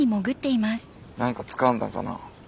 何かつかんだんかな？